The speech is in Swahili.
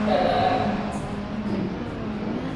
wa mwanzo achilia mbali tabu ya kujifunza lugha